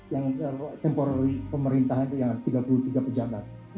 yang temporari pemerintah itu yang tiga puluh tiga pejabat